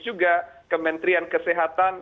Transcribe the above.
juga kementerian kesehatan